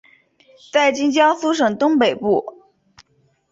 在今江苏省东北部。